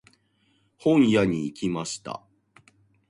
本屋に行きました。